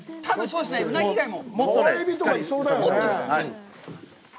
うなぎ以外も。